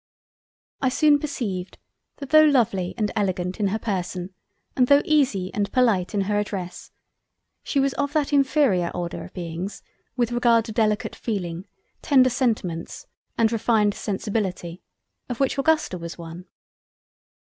I soon perceived that tho' Lovely and Elegant in her Person and tho' Easy and Polite in her Address, she was of that inferior order of Beings with regard to Delicate Feeling, tender Sentiments, and refined Sensibility, of which Augusta was one.